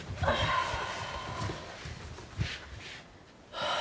はあ。